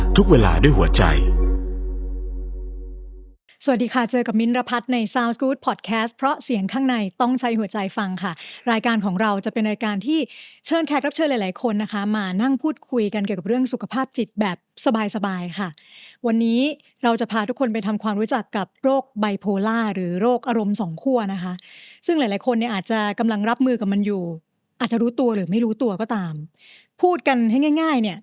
ทุ่มเทการรักษาทุกเวลาด้วยหัวใจ